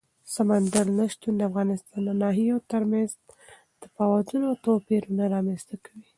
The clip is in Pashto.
سمندر نه شتون د افغانستان د ناحیو ترمنځ تفاوتونه او توپیرونه رامنځ ته کوي.